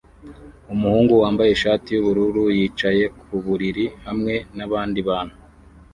Umuhungu wambaye ishati yubururu yicaye ku buriri hamwe nabandi bantu